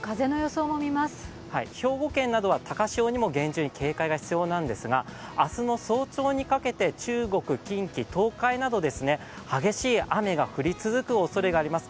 兵庫県などは高潮など厳重な警戒が必要なんですが明日の早朝にかけて、中国、近畿、東海など激しい雨が降り続くおそれがあります。